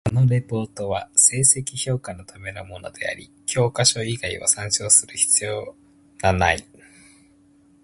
このレポートは成績評価のためのものであり、教科書以外を参照する必要なない。